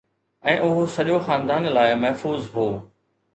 ۽ اهو سڄو خاندان لاء محفوظ هو